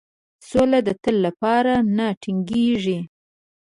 سوله د تل لپاره نه ټینګیږي.